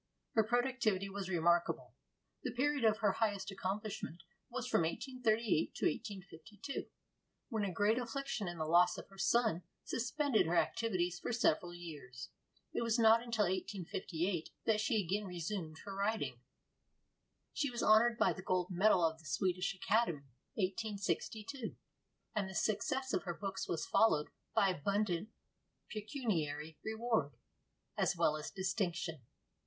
Her productivity was remarkable. The period of her highest accomplishment was from 1838 to 1852, when a great affliction in the loss of her son suspended her activities for several years. It was not until 1858 that she again resumed her writing. She was honored by the gold medal of the Swedish Academy (1862), and the success of her books was followed by abundant pecuniary reward as well as distinction.